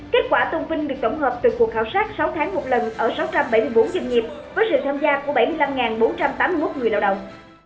kết quả tôn vinh được tổng hợp từ cuộc khảo sát sáu tháng một lần ở sáu trăm bảy mươi bốn doanh nghiệp với sự tham gia của bảy mươi năm bốn trăm tám mươi một người lao động